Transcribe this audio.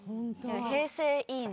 平成いいな。